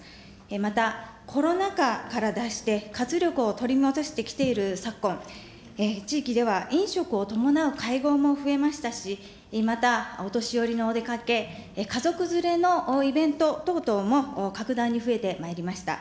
また、コロナ禍から脱して、活力を取り戻してきている昨今、地域では飲食を伴う会合も増えましたし、また、お年寄りのお出かけ、家族連れのイベント等々も格段に増えてまいりました。